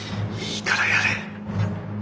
いいからやれ。